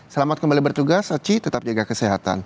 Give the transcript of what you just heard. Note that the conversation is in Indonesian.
selamat kembali bertugas aci tetap jaga kesehatan